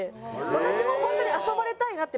私も本当に遊ばれたいなって。